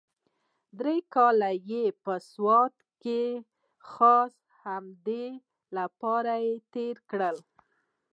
درې کاله يې په سوات کښې خاص د همدې دپاره تېر کړي.